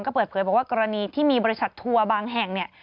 ก็เปิดเผยบอกว่ากรณีที่มีบริษัททัวร์บางแห่งเนี่ย